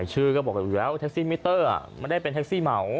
ชื่อก็บอกกันอยู่แล้วแท็กซี่มิเตอร์ไม่ได้เป็นแท็กซี่เหมา